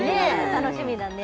楽しみだね